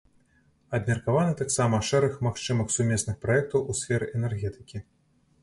Абмеркаваны таксама шэраг магчымых сумесных праектаў у сферы энергетыкі.